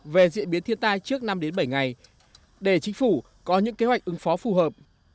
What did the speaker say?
về diễn biến thiên tai trước năm bảy ngày để chính phủ có những kế hoạch ứng phó phù hợp